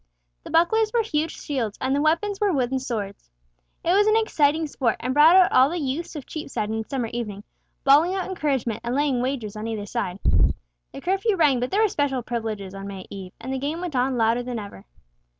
The bucklers were huge shields, and the weapons were wooden swords. It was an exciting sport, and brought out all the youths of Cheapside in the summer evening, bawling out encouragement, and laying wagers on either side. The curfew rang, but there were special privileges on May Eve, and the game went on louder than ever.